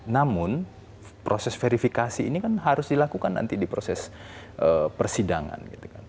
namun proses verifikasi ini kan harus dilakukan nanti di proses persidangan